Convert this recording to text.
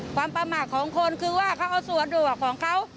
ความประมาทของคนคือว่าเขาเอาส่วนดวกของเขา